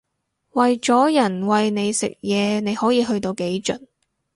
為咗人餵你食嘢你可以去到幾盡